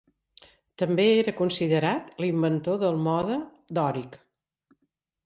També era considerat l'inventor del Mode dòric.